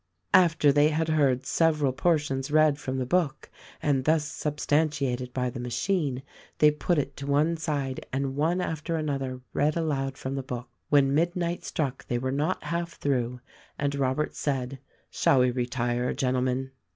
After they had heard several portions read from the book and thus substantiated by the machine they put it to one side and one after another read aloud from the book. When mid night struck they were not half through and Robert said : "Shall we retire, Gentlemen?"